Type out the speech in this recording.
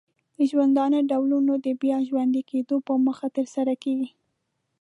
د ژوندانه د ډولونو د بیا ژوندې کیدو په موخه ترسره کیږي.